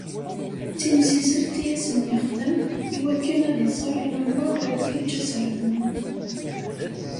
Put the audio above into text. D timsizzelt i asen-yexdem, iwakken ad iẓer i wanwa ara d-yeǧǧ aserdun.